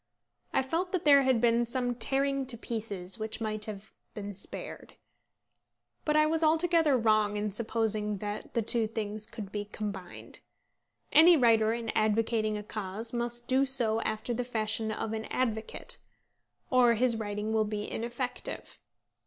I felt that there had been some tearing to pieces which might have been spared. But I was altogether wrong in supposing that the two things could be combined. Any writer in advocating a cause must do so after the fashion of an advocate, or his writing will be ineffective.